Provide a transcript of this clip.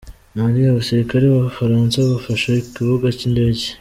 Mali Abasirikare b’Abafaransa bafashe ikibuga cy’indege